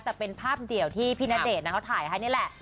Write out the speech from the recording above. แต่เป็นภาพเดี่ยวที่พี่ณเดชน์เขาถ่ายให้นี่แหละ